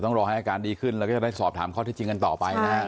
ต้องรอให้อากาศดีขึ้นแล้วก็จะได้สอบถามข้อขราชที่